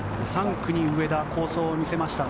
３区に上田、好走を見せました。